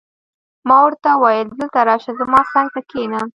ما ورته وویل: دلته راشه، زما څنګ ته کښېنه.